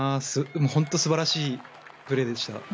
本当に素晴らしいプレーでした。